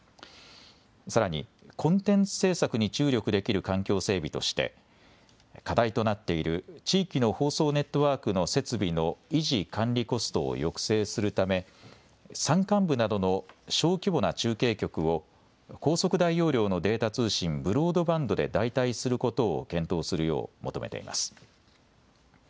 さらにコンテンツ制作に注力できる環境整備として課題となっている地域の放送ネットワークの設備の維持・管理コストを抑制するため山間部などの小規模な中継局を高速大容量のデータ通信・ブロードバンドで代替することを検討するよう求めています。